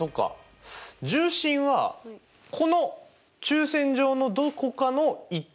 重心はこの中線上のどこかの１点にあると。